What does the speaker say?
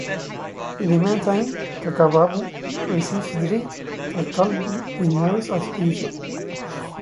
In the meantime Kakababu receives threat call but he ignores as usual.